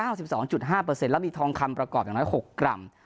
แล้วมีทองคำประกอบอย่างน้อย๖กรัม